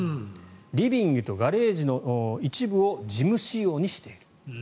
リビングとガレージの一部をジム仕様にしている。